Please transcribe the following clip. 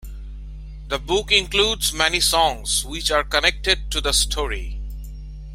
The book includes many songs which are connected to the story.